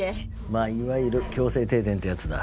まあいわゆる強制停電ってやつだ。